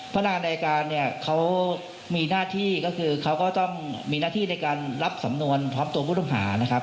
พนักงานในการเนี่ยเขามีหน้าที่ก็คือเขาก็ต้องมีหน้าที่ในการรับสำนวนพร้อมตัวผู้ต้องหานะครับ